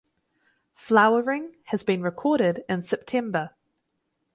Flowering has been recorded in September.